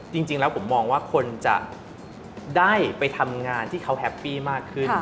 จริงแล้วผมมองว่าคนจะได้ไปทำงานที่เขาแฮปปี้มากขึ้น